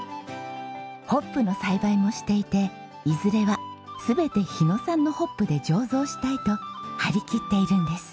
ホップの栽培もしていていずれは全て日野産のホップで醸造したいと張り切っているんです。